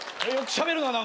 しゃべるよ。